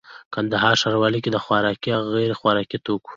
کندهار ښاروالي کي د خوراکي او غیري خوراکي توکو